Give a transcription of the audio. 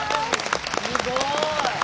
すごい。